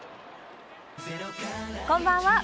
こんばんは。